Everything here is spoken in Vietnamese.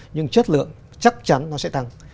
nhưng chất lượng chắc chắn nó sẽ tăng